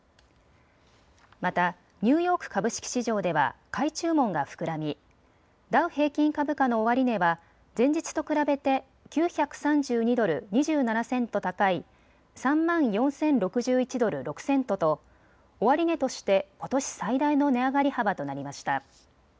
またニューヨーク株式市場では買い注文が膨らみダウ平均株価の終値は前日と比べて９３２ドル２７セント高い３万４０６１ドル６セントと終値としてことし最大の値上がり幅となりました。